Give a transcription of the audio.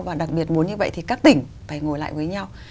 và đặc biệt muốn như vậy thì các tỉnh phải ngồi lại với nhau